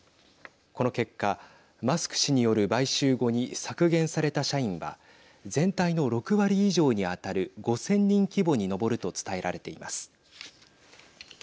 この結果マスク氏による買収後に削減された社員は全体の６割以上に当たる５０００人規模に上ると伝えられています。